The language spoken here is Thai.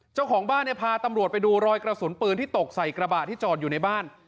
เจ้าของบ้านเนี่ยพาตำรวจไปดูรอยกระสุนปืนที่ตกใส่กระบะที่จอดอยู่ในบ้าน